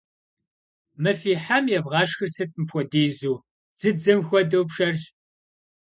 Мы фи хьэм евгъэшхыр сыт мыпхуэдизу? Дзыдзэм хуэдэу пшэрщ.